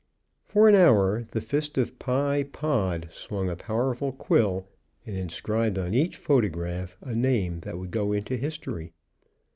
For an hour the fist of Pye Pod swung a powerful quill and inscribed on each photograph a name that would go into his story.